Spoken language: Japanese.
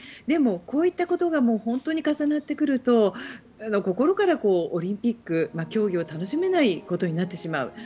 でも、こういったことが重なってくると心からオリンピック競技を楽しめないことになってしまう。